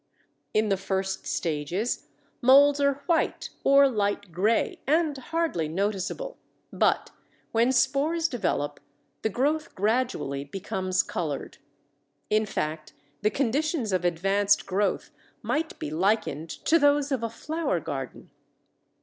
In the first stages molds are white or light gray and hardly noticeable; but when spores develop the growth gradually becomes colored. In fact, the conditions of advanced growth might be likened to those of a flower garden.